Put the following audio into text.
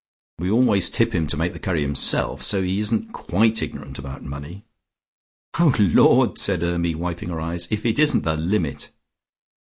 "We always tip him to make the curry himself, so he isn't quite ignorant about money." "O Lord!" said Hermy, wiping her eyes. "If it isn't the limit!"